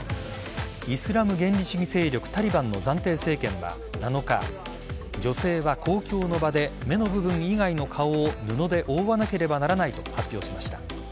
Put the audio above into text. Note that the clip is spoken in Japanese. イスラム原理主義勢力タリバンの暫定政権は７日女性は公共の場で目の部分以外の顔を布で覆わなければならないと発表しました。